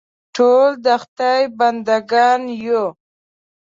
ټول د خدای بندهګان یو.